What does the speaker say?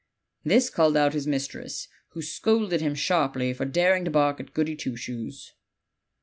This called out his mistress, who scolded him sharply for daring to bark at Goody Two Shoes.